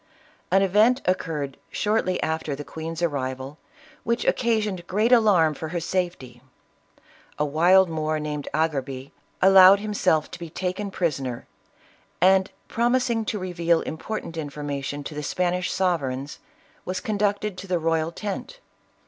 An event occurred shortly after the queen's arrival, which occasioned great alarm for her safety. A wild Moor named Agerbi, allowed himself to be taken prisoner, and, promising to reveal important informa tion to the Spanish sovereigns, was conducted to the royal tent.